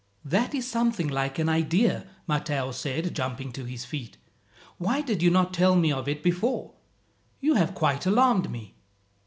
"That is something like an idea!" Matteo said, jumping to his feet. "Why did you not tell me of it before? You have quite alarmed me.